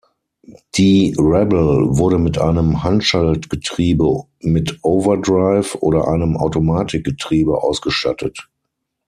Die Rebel wurden mit einem Handschaltgetriebe mit Overdrive oder einem Automatikgetriebe ausgestattet.